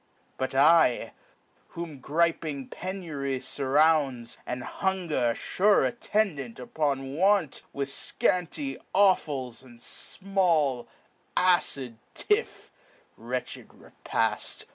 But I, whom griping penury furrounds, And hunger, fure attendant upon want, With fcanty offals, and fmall acid tiff (Wretched repail